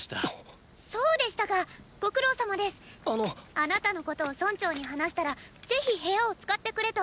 あなたのことを村長に話したらぜひ部屋を使ってくれと。